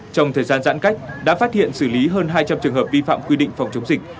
trong thời gian giãn cách đã phát hiện xử lý hơn hai trăm linh trường hợp vi phạm quy định phòng chống dịch